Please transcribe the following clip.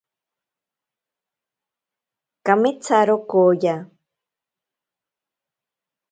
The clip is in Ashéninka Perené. Kameetsaro kooya.